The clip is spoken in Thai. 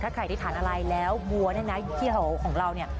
ถ้าใครได้ทานอะไรแล้ววัวเนี่ยนะที่ของเราเนี่ย